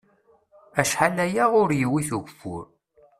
Acḥal aya ur yewwit ugeffur.